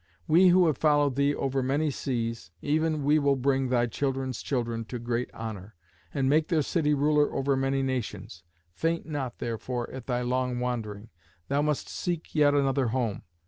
We who have followed thee over many seas, even we will bring thy children's children to great honour, and make their city ruler over many nations. Faint not, therefore, at thy long wandering. Thou must seek yet another home.